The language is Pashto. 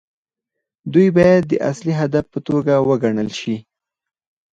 دوی باید د اصلي هدف په توګه وګڼل شي.